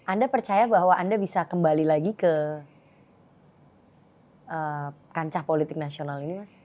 anda percaya bahwa anda bisa kembali lagi ke kancah politik nasional ini mas